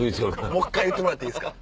もう１回言ってもらっていいですか？